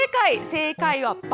正解は、×。